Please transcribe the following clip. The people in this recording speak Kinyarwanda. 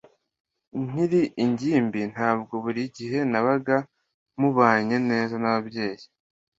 nkiri ingimbi, ntabwo buri gihe nabaga mubanye neza nababyeyi